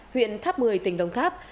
huyện tháp một mươi tỉnh đồng tháp